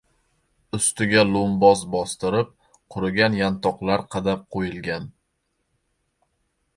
Ustiga lo‘mboz bostirib, qurigan yantoqlar qadab qo‘yilgan.